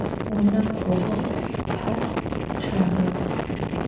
Vune khoğum her ççağe.